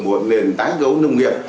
một nền tái cấu nông nghiệp